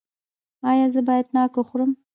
ایا زه باید ناک وخورم؟